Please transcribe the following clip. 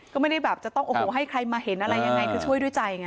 ก็ไม่ได้แบบจะต้องโอ้โหให้ใครมาเห็นอะไรยังไงคือช่วยด้วยใจไง